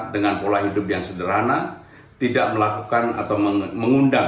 dengan pola hidup yang sederhana tidak melakukan atau mengundang